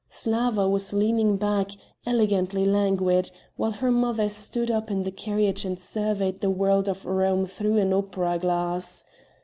Slawa was leaning back, elegantly languid, while her mother stood up in the carriage and surveyed the world of Rome through an opera glass.